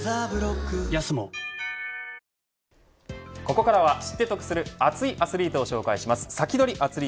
ここからは知って得する熱いアスリートを紹介しますサキドリ！